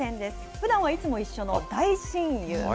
ふだんは、いつも一緒の大親友。